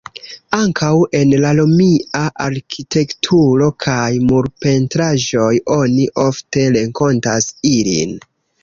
Ankaŭ en la romia arkitekturo kaj murpentraĵoj oni ofte renkontas ilin.